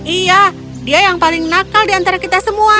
iya dia yang paling nakal diantarikir